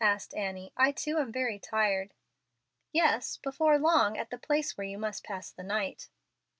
asked Annie. "I too am very tired." "Yes, before long at the place where you must pass the night."